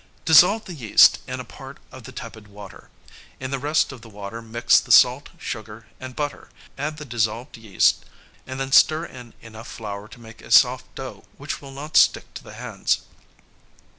] Dissolve the yeast in a part of the tepid water; in the rest of the water mix the salt, sugar, and butter, add the dissolved yeast, and then stir in enough flour to make a soft dough which will not stick to the hands.